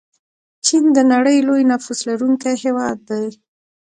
چین د نړۍ لوی نفوس لرونکی هیواد دی.